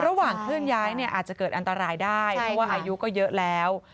เคลื่อนย้ายเนี่ยอาจจะเกิดอันตรายได้เพราะว่าอายุก็เยอะแล้ว